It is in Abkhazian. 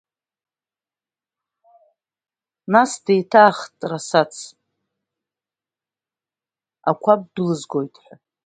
Нас деиҭааихт Расац, ақәаб дәылызгоит ҳа.